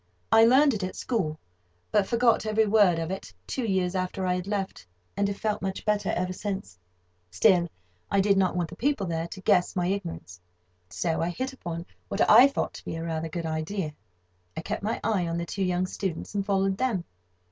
I learned it at school, but forgot every word of it two years after I had left, and have felt much better ever since. Still, I did not want the people there to guess my ignorance; so I hit upon what I thought to be rather a good idea. I kept my eye on the two young students, and followed them.